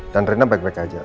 dan rena baik baik aja